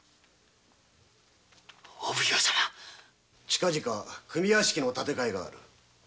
近く組屋敷の建て替えがある。